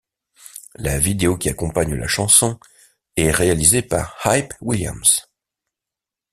La vidéo qui accompagne la chanson, est réalisée par Hype Williams.